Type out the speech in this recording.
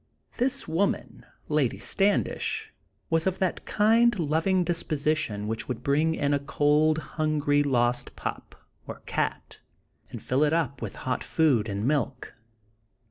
This woman, Lady Standish, was of that kind, loving disposition which would bring in a cold, hungry, lost pup, or cat, and fill it up with hot food and milk.